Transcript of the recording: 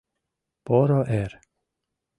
Поро эр.